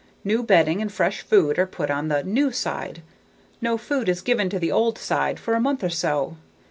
New bedding and fresh food are put on the "new" side. No food is given to the "old" side for a month or so.